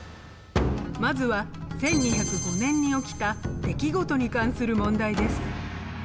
まずは１２０５年に起きた出来事に関する問題です。